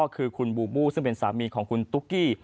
คือคุณบูบูซึ่งเป็นสามีของคุณตุ๊กกี้